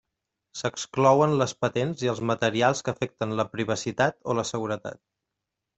S'exclouen les patents i els materials que afecten la privacitat o la seguretat.